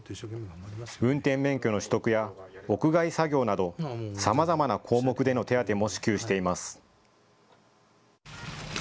運転免許の取得や屋外作業などさまざまな項目での手当も支給しています。